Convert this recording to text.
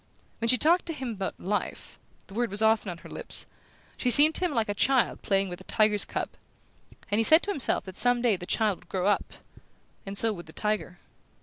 When she talked to him about "life" the word was often on her lips she seemed to him like a child playing with a tiger's cub; and he said to himself that some day the child would grow up and so would the tiger.